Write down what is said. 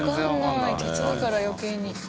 鉄だから余計に。